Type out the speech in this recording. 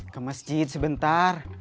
ke masjid sebentar